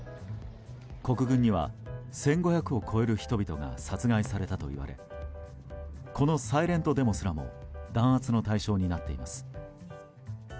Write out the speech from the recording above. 国軍には１５００を超える人々が殺害されたといわれこのサイレントデモすらも弾圧の対象になっています。